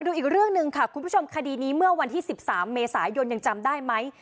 ดูอีกเรื่องหนึ่งค่ะคุณผู้ชมคดีนี้เมื่อวันที่๑๓เมษายนยังจำได้ไหม